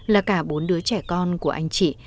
là cả bốn đứa trẻ con của anh chị